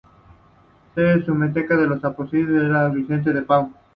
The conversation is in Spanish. Su temática es el apoteosis de San Vicente de Paúl.